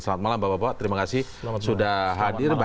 selamat malam bapak bapak terima kasih sudah hadir